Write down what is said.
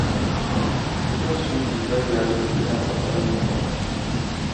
Kuidas sündis vähihaigeid ühendav vähifond?